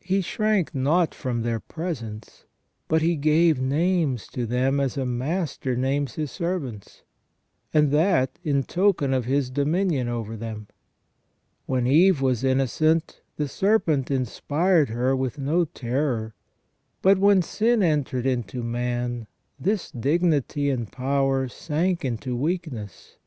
He shrank not from their presence, but he gave names to them as a master names his servants, and that in token of his dominion over them. When Eve was innocent, the serpent inspired her with no terror ; but when sin entered into man this dignity and power sank into weakness.